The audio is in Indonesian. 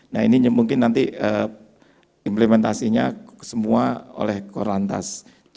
nah ini mungkin nanti implementasinya semua oleh korlantas